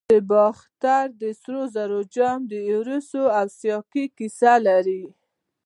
د باختر د سرو زرو جام د ایروس او سایکي کیسه لري